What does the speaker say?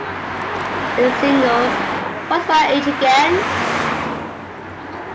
Its singles, What's My Age Again?